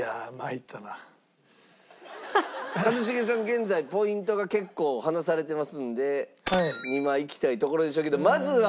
現在ポイントが結構離されてますんで２枚いきたいところでしょうけどまずは確実に。